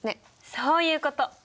そういうこと！